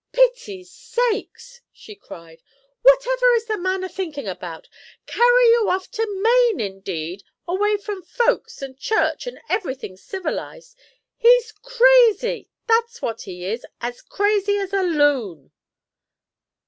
"Pity's sakes!" she cried. "Whatever is the man a thinking about? Carry you off to Maine, indeed, away from folks and church and every thing civilized! He's crazy, that's what he is, as crazy as a loon!"